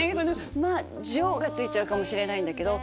魔女がついちゃうかもしれないんだけど。